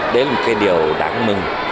đấy là một cái điều đáng mừng